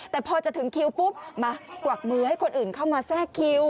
แต่พอจะถึงคิวปุ๊บมากวักมือให้คนอื่นเข้ามาแทรกคิว